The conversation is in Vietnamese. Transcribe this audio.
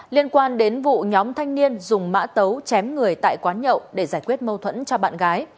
liên quan đến vụ nhóm thanh niên dùng mã tấu chém người tại quán nhậu để giải quyết mâu thuẫn cho bạn gái